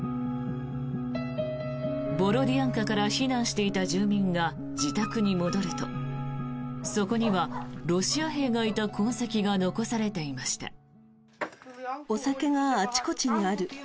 ボロディアンカから避難していた住民が自宅に戻るとそこにはロシア兵がいた痕跡が残されていました。